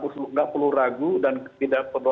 tidak perlu ragu dan tidak perlu